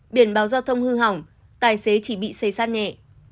biển báo giao thông hư hỏng tài xế chỉ bị xây sát nhẹ